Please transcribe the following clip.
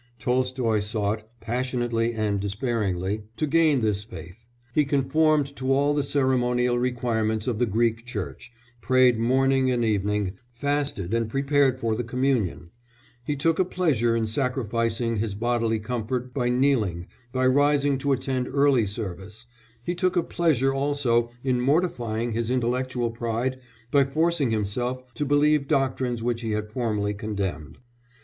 Tolstoy sought, passionately and despairingly, to gain this faith; he conformed to all the ceremonial requirements of the Greek Church, prayed morning and evening, fasted and prepared for the Communion; he took a pleasure in sacrificing his bodily comfort by kneeling, by rising to attend early service; he took a pleasure also in mortifying his intellectual pride by forcing himself to believe doctrines which he had formerly condemned.